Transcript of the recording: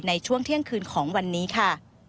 ในช่วงเที่ยงคืนของวันนี้ค่ะ